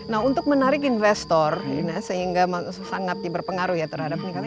nah untuk menarik investor sehingga sangat berpengaruh ya terhadap ini kan